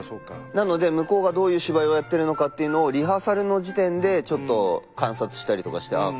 なので向こうがどういう芝居をやってるのかっていうのをリハーサルの時点でちょっと観察したりとかしてああ